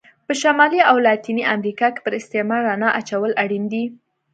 په شمالي او لاتینې امریکا کې پر استعمار رڼا اچول اړین دي.